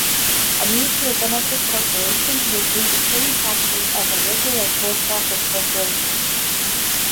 A mutual benefit corporation will pay the same taxes as a regular for-profit corporation.